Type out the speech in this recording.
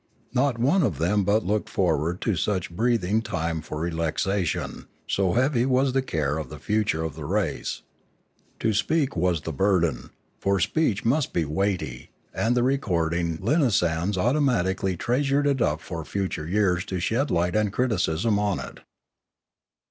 Not one of them but looked forward to such a breathing time for relaxation, so heavy was the care of the future of the race. To speak was the burden; for speech must be weighty, and 520 Limanora the recording linasans automatically treasured it up for future years to shed light and criticism on it.